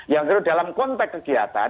yang kedua dalam konteks kegiatan